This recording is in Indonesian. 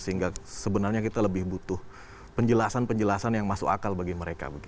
sehingga sebenarnya kita lebih butuh penjelasan penjelasan yang masuk akal bagi mereka